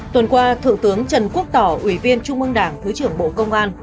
tuần qua thượng tướng trần quốc tỏ ủy viên trung mương đảng thứ trưởng bộ công an